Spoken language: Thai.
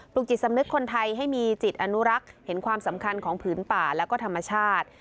จิตสำนึกคนไทยให้มีจิตอนุรักษ์เห็นความสำคัญของผืนป่าและก็ธรรมชาติ